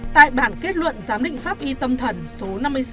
tại bản kết luận giám định pháp y tâm thần số năm mươi sáu hai nghìn một mươi chín